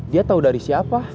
dia tahu dari siapa